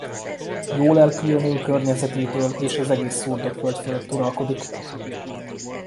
Jól elkülönül környezetétől és az egész szurdokvölgy fölött uralkodik.